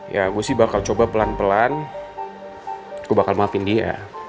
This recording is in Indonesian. ya gue sih bakal coba pelan pelan gue bakal maafin dia